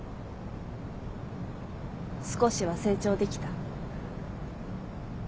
少しは成長できた？